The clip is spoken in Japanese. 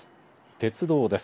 鉄道です。